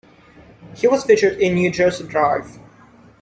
He was featured in "New Jersey Drive".